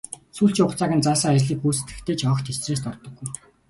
Сүүлчийн хугацааг нь заасан ажлыг гүйцэтгэхдээ ч огт стресст ордоггүй.